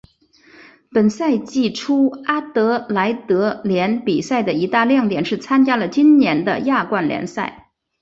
本赛季初阿德莱德联比赛的一大亮点是参加了今年的亚冠联赛。